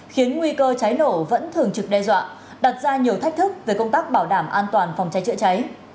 khiến nguy cơ cháy nổ vẫn thường trực đe dọa đặt ra nhiều thách thức về công tác bảo đảm an toàn phòng cháy chữa cháy